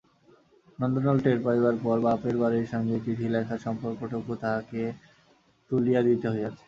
নন্দলাল টের পাইবার পর বাপের বাড়ির সঙ্গে চিঠি লেখার সম্পর্কটুকু তাহাকে তুলিয়া দিতে হইয়াছে।